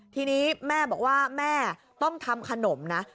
ทีนี้แม่บอกว่าแม่ต้องทำขนมนะ